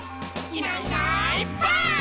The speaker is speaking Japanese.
「いないいないばあっ！」